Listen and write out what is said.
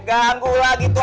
ganggu lah gitu